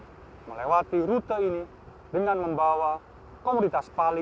saya melewati rute ini dengan membawa komunitas pasir